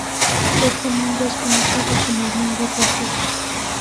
Éste mundo es conocido como el Mundo rojo.